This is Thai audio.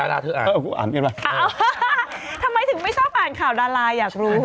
รถไม่ก็อ่านค่ะคอวิท